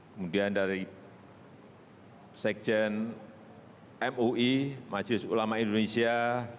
kemudian dari sekjen mui majelis ulama indonesia